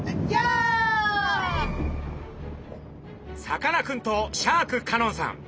さかなクンとシャーク香音さん。